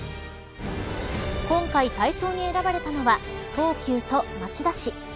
今回、大賞に選ばれたのは東急と町田市。